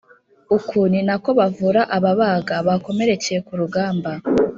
Uku ni nako bavura ababaga bakomerekeye ku rugamba.